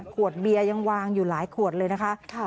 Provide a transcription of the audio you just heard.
ขวดเบียร์ยังวางอยู่หลายขวดเลยนะคะ